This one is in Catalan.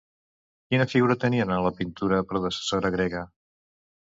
Quina figura tenien en la pintura predecessora grega?